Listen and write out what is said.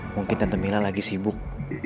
mungkin tata mila lagi sibuk